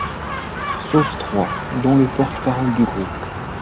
Sauf trois dont le porte-parole du groupe